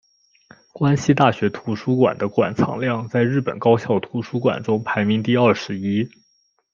关西大学图书馆的馆藏量在日本高校图书馆中排名第二十一。